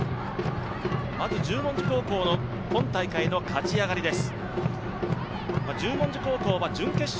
十文字高校の今大会の勝ち上がりです。